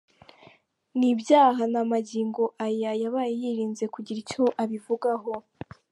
Ni ibyaha na magingo aya yabaye yirinze kugira icyo abivugaho.